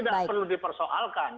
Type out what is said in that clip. jadi tidak perlu dipersoalkan